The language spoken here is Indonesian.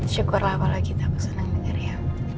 syukurlah kalau kita keseneng denger ya